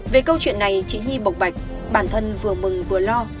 về câu chuyện này chị nhi bộc bạch bản thân vừa mừng vừa lo